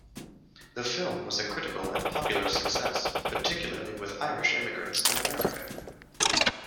The film was a critical and popular success, particularly with Irish immigrants in America.